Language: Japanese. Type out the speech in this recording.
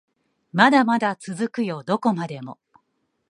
まだまだ続くよどこまでも